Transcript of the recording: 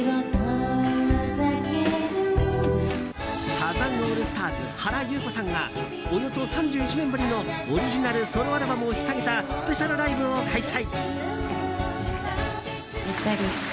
サザンオールスターズ原由子さんがおよそ３１年ぶりのオリジナルソロアルバムを引っ提げたスペシャルライブを開催。